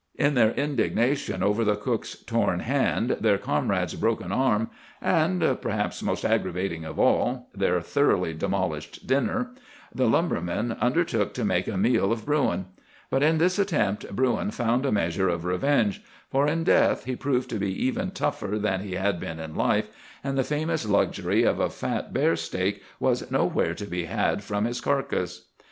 "In their indignation over the cook's torn hand, their comrade's broken arm, and—perhaps most aggravating of all—their thoroughly demolished dinner, the lumbermen undertook to make a meal of Bruin; but in this attempt Bruin found a measure of revenge, for in death he proved to be even tougher than he had been in life, and the famous luxury of a fat bear steak was nowhere to be had from his carcass."